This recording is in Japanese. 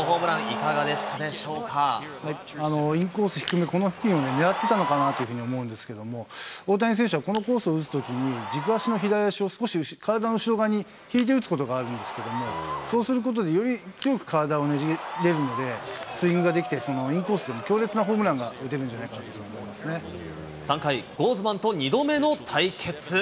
由伸さん、インコース低め、この付近をね、ねらっていたのかなっていうふうに思うんですけども、大谷選手はこのコースを打つときに、軸足の左足を少し体の後ろ側に引いて打つことがあるんですけど、そうすることで、より強く体をねじれるので、スイングができて、インコースでも強烈なホームランが打てるんじゃないかなと思いま３回、ゴーズマンと２度目の対決。